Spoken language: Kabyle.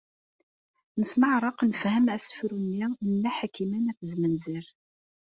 Nesmeɛreq nefhem asefru-nni n Nna Ḥakima n At Zmenzer.